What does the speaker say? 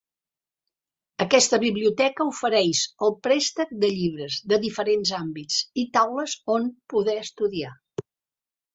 Aquesta biblioteca ofereix el préstec de llibres de diferents àmbits i taules on poder estudiar.